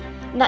nếu nạn nhân